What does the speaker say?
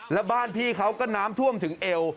แล้วบ้านพี่เขาก็น้ำท่วมถึงเอว